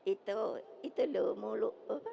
itu itu loh